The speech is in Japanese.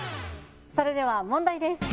それでは問題です